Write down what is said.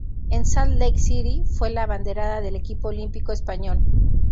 En Salt Lake City fue la abanderada del equipo olímpico español.